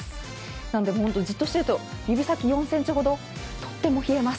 なので、じっとしていると指先４ｃｍほどとっても冷えます。